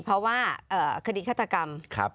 เพราะว่าคดีฆาตกรรม